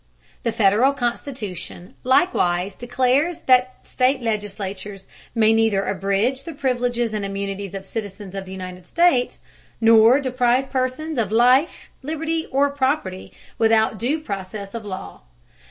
The Federal Constitution likewise declares that state legislatures may neither abridge the privileges and immunities of citizens of the United States, nor deprive persons of life, liberty, or property without due process of law.